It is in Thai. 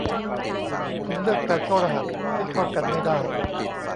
คุณเลือกการเข้ารหัสที่เข้ากันไม่ได้